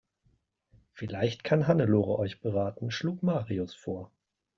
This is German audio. Vielleicht kann Hannelore euch beraten, schlug Marius vor.